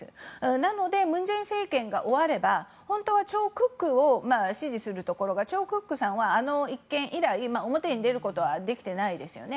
なので文在寅政権が終われば本当はチョ・グクを支持するところがあの一件以来表に出ることはできてないですよね。